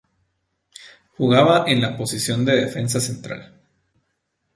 Jugaba en la posición de defensa central.